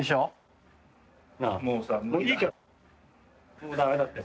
もう駄目だって。